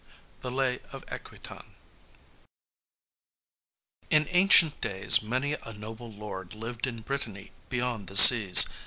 XI THE LAY OF EQUITAN In ancient days many a noble lord lived in Brittany beyond the Seas.